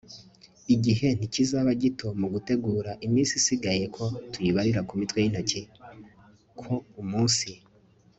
igihe ntikizaba gito mu gutegura, iminsi isigaye ko tuyibarira ku mitwe y'intoki? ko umunsi